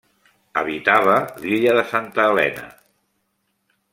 Habitava l'Illa de Santa Helena.